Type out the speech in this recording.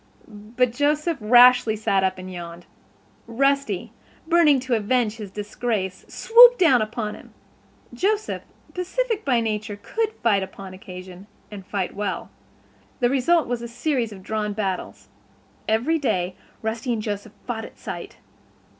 But Joseph rashly sat up and yawned. Rusty, burning to avenge his disgrace, swooped down upon him. Joseph, pacific by nature, could fight upon occasion and fight well. The result was a series of drawn battles. Every day Rusty and Joseph fought at sight.